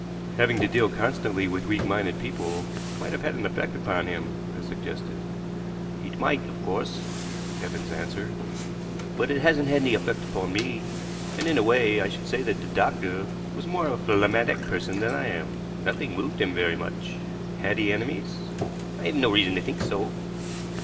"Having to deal constantly with weak minded people might have an effect upon him," I suggested. "It might, of course," Evans answered; "but it hasn't had any effect upon me, and, in a way, I should say the doctor was a more phlegmatic person than I am. Nothing moved him very much." "Had he enemies?" "I have no reason to think so."